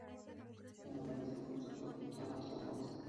Finalmente, el grupo se va con todas las armas.